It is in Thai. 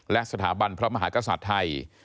และสถาบันพระมหากษัตริย์ไทย